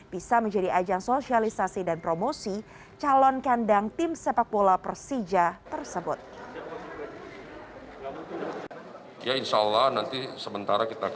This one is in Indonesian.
bisa menjadi ajang sosialisasi dan promosi calon kandang tim sepak bola persija tersebut